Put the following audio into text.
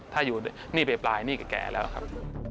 ถ้าอยู่หนี้ไปปลายหนี้แก่แล้วครับ